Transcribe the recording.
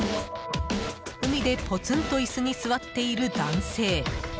海でポツンと椅子に座っている男性。